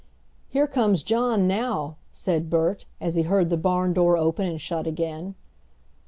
"Here comes John now," said Bert, as he heard the barn door open and shut again.